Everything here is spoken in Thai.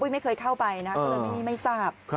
ไม่เคยเข้าไปโดยเลยไม่ที่ไม่ทราบ